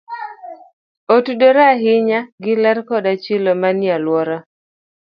Otudore ahinya gi ler koda chilo manie alwora.